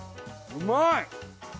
うまい！